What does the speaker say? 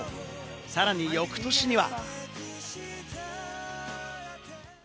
さらに翌年には。